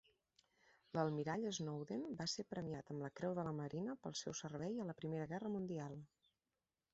L'almirall Snowden va ser premiat amb la Creu de la Marina pel seu servei a la Primera Guerra Mundial.